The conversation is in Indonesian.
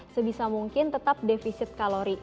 sebisa mungkin tetap defisit kalori